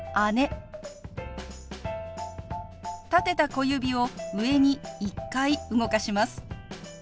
立てた小指を上に１回動かします。